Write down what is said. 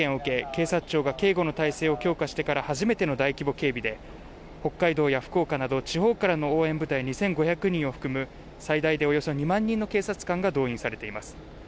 警察庁が警護の体制を強化してから初めての大規模警備で北海道や福岡など地方からの応援部隊２５００人を含む最大でおよそ２万人の警察官が動員されています